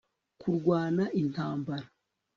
kurwana intambara